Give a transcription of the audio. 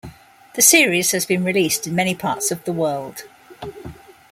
The series has been released in many parts of the world.